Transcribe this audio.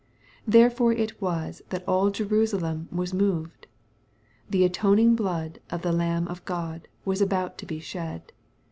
Therefore it was that all Jerusalem was moved. The atoning blood of the Lamb of God was about to be shed.